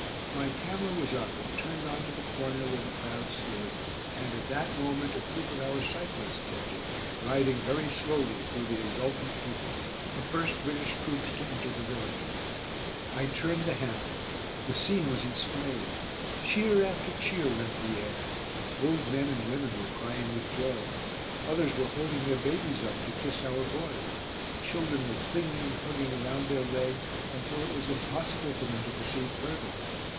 My camera was up and turned on to the corner where the crowd stood and, at that moment, a troop of our cyclists entered, riding very slowly through the exultant people the first British troops to enter the village. I turned the handle. The scene was inspiring. Cheer after cheer rent the air. Old men and women were crying with joy. Others were holding their babies up to kiss our boys. Children were clinging and hugging around their legs, until it was impossible for them to proceed further.